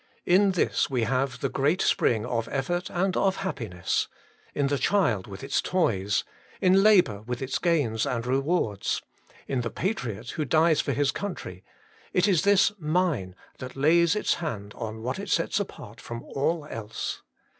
In this we have the great spring of effort and of happiness : in the child with its toys, in labour with its gains and rewards, in the patriot who dies for his country, it is this Mine that lays its hand on what it sets apart from all else.